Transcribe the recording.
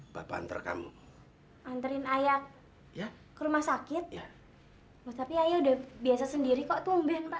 bantuan terkamu anterin ayah ya ke rumah sakit tapi ayah udah biasa sendiri kok tumben pak